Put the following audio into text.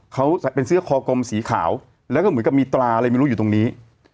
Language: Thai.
เขาใส่เป็นเสื้อคอกลมสีขาวแล้วก็เหมือนกับมีตราอะไรไม่รู้อยู่ตรงนี้